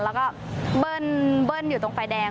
แล้วก็เบิ้ลอยู่ตรงไฟแดง